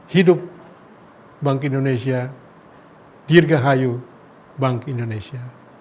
hidup bank indonesia dirgahayu bank indonesia